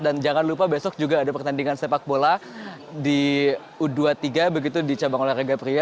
dan jangan lupa besok juga ada pertandingan sepak bola di u dua puluh tiga begitu di cabang olahraga pria